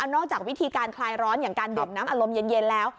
นอกจากวิธีการคลายร้อนอย่างการดื่มน้ำอารมณ์เย็นแล้ว